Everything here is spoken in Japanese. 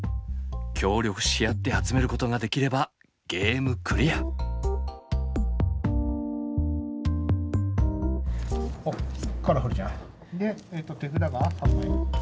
協力し合って集めることができればゲームクリア！でえと手札が３枚？